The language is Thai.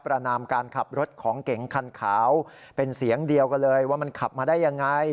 นามการขับรถของเก๋งคันขาวเป็นเสียงเดียวกันเลยว่ามันขับมาได้ยังไง